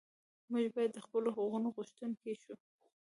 موږ باید د خپلو حقونو غوښتونکي شو.